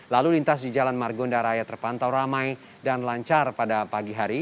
lalu lintas di jalan margonda raya terpantau ramai dan lancar pada pagi hari